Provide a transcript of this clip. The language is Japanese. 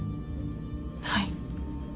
はい。